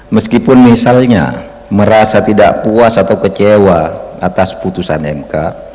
meskipun misalnya merasa tidak puas atau kecewa atas putusan mk